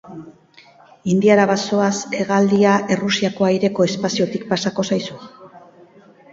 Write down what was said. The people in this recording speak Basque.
Indiara bazoaz hegaldia Errusiako aireko espaziotik pasako zaizu?